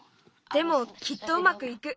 でもきっとうまくいく。